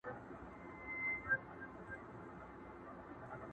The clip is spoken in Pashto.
ستونی د شپېلۍ به نغمه نه لري!!